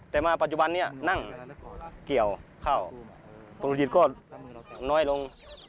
แต่มาปัจจุบันนี้นั่งเกี่ยวเข้าปกติก็น้อยลง